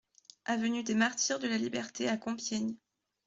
Avenue des Martyrs de la Liberté à Compiègne